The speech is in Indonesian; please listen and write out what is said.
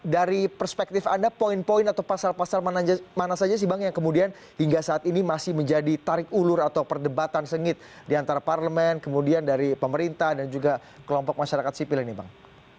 dari perspektif anda poin poin atau pasal pasal mana saja sih bang yang kemudian hingga saat ini masih menjadi tarik ulur atau perdebatan sengit di antara parlemen kemudian dari pemerintah dan juga kelompok masyarakat sipil ini bang